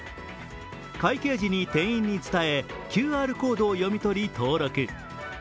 会計時に店員に伝え、ＱＲコードを読み取り登録。